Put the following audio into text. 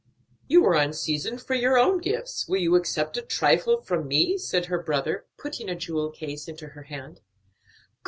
"You are in season for your own gifts. Will you accept a trifle from me?" said her brother, putting a jewel case into her hand.